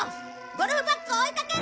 ゴルフバッグを追いかけるんだ！